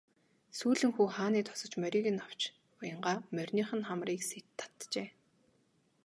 Сүүлэн хүү хааны тосож морийг нь авч уянгаа мориных нь хамрыг сэт татжээ.